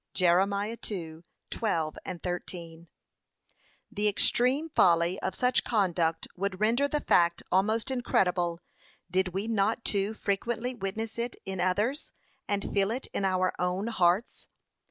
(Jer. 2:12,13) The extreme folly of such conduct would render the fact almost incredible, did we not too frequently witness it in others, and feel it in our own hearts.